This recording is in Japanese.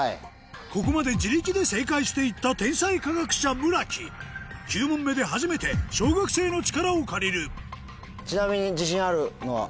ここまで自力で正解していった天才化学者村木９問目で初めて小学生の力を借りるちなみに自信あるのは？